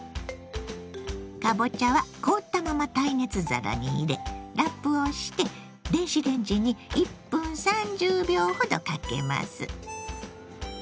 かぼちゃは凍ったまま耐熱皿に入れラップをして電子レンジに１分３０秒ほどかけます。